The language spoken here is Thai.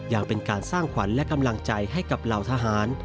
ยังเป็นการสร้างขวัญและกำลังใจให้กับเหล่าทหาร